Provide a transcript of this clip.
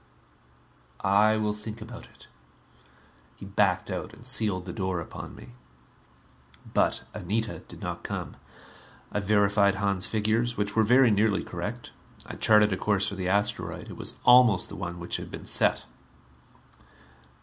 "I will think about it." He backed out and sealed the door upon me. But Anita did not come. I verified Hahn's figures, which were very nearly correct. I charted a course for the asteroid; it was almost the one which had been set.